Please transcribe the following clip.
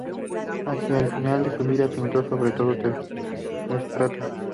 Hacia el final de su vida pintó sobre todo retratos.